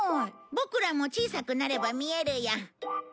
ボクらも小さくなれば見えるよ。